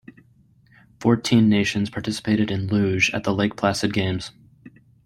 Fourteen nations participated in Luge at the Lake Placid Games.